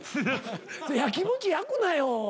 焼きもち焼くなよ。